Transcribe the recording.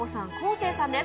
生さです。